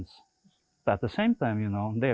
tapi pada saat yang sama